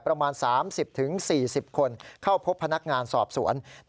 ประมาณ๓๐๔๐คนเข้าพบพนักงานสอบสวน